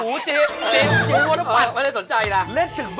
อู๋เจนพัดหนังก็ปั๊ดไม่ได้สนใจแล้ว